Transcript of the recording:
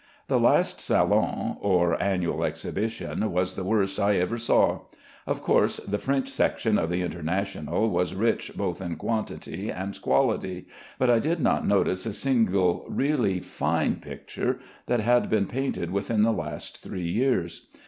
The last Salon (or annual exhibition) was the worst I ever saw. Of course, the French section of the International was rich both in quantity and quality, but I did not notice a single really fine picture that had been painted within the last three years.